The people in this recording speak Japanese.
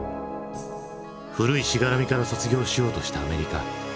古いしがらみから卒業しようとしたアメリカ。